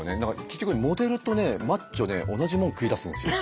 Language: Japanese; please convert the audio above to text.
結局モデルとねマッチョね同じもん食いだすんですよ。